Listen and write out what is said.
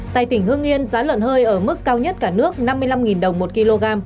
tại tỉnh hương yên giá lợn hơi ở mức cao nhất cả nước năm mươi năm đồng một kg